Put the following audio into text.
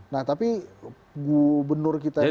nah tapi gubernur kita yang baru